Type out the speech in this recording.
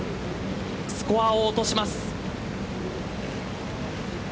スコアを落とします。